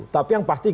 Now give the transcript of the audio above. tapi yang penting